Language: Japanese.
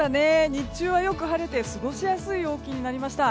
日中はよく晴れて過ごしやすい陽気になりました。